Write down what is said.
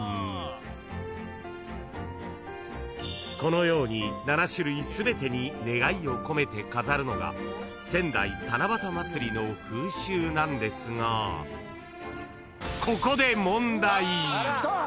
［このように７種類全てに願いを込めて飾るのが仙台七夕まつりの風習なんですがここで］